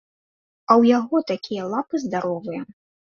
А ў яго такія лапы здаровыя.